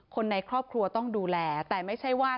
คนในครอบครัวต้องดูแลแต่ไม่ใช่ว่า